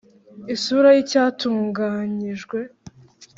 Isura y icyatunganyijwe